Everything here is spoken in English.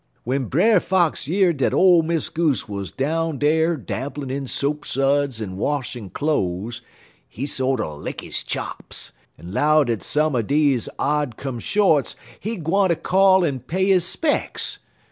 "W'en Brer Fox year dat ole Miss Goose wuz down dar dabblin' in soapsuds en washin' cloze, he sorter lick he chops, en 'low dat some er dese odd come shorts he gwine ter call en pay he 'specks.